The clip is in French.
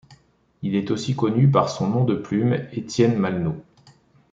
Il est aussi connu par son nom de plume, Étienne Malnoux.